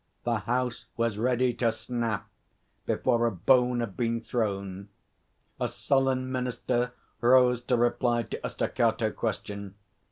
The House was ready to snap before a bone had been thrown. A sullen minister rose to reply to a staccato question.